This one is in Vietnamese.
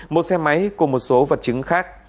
một xe máy cùng một số vật chứng khác